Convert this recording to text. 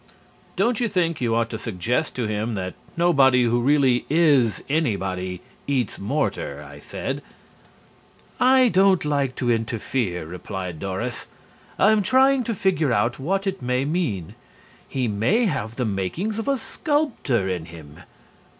"Don't you think you ought to suggest to him that nobody who really is anybody eats mortar?" I said. "I don't like to interfere," replied Doris. "I'm trying to figure out what it may mean. He may have the makings of a sculptor in him."